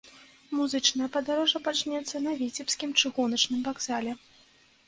Музычнае падарожжа пачнецца на віцебскім чыгуначным вакзале.